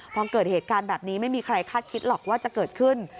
พอเกิดเหตุการณ์แบบนี้ไม่มีใครคาดคิดหรอกว่าจะเกิดขึ้น